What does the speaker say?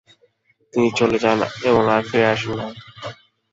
তিনি চলে যান এবং আর ফিরে আসেননি।